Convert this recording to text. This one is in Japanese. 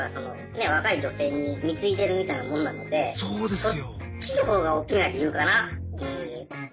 そうですよ。